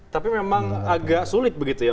tapi memang agak sulit begitu ya